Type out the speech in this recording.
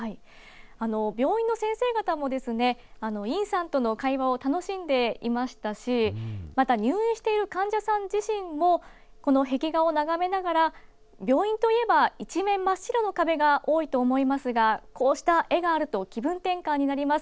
病院の先生方もですね尹さんとの会話を楽しんでいましたしまた入院している患者さん自身もこの壁画を眺めながら病院といえば一面真っ白な壁が多いと思いますがこうした絵があると気分転換になります